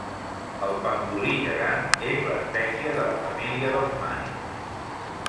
El pangolí gegant és l'espècie de la família dels mànids.